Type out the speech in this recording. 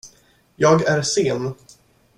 Jag är sen.